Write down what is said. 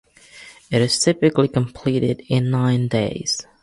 It is typically completed in nine days.